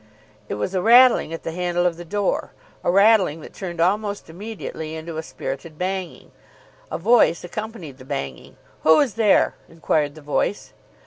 _ It was a rattling at the handle of the door. A rattling that turned almost immediately into a spirited banging. A voice accompanied the banging. "Who is there?" inquired the voice.